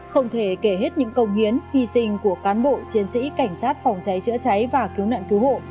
không thể kể hết những công hiến hy sinh của cán bộ chiến sĩ cảnh sát phòng cháy chữa cháy và cứu nạn cứu hộ